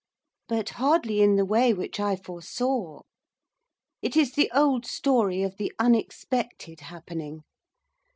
But hardly in the way which I foresaw. It is the old story of the unexpected happening.